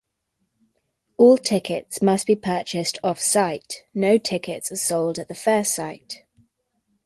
All tickets must be purchased off-site; no tickets are sold at the fair site.